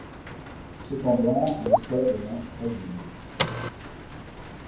Cependant, le sol devint très-humide.